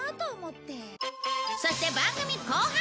そして番組後半。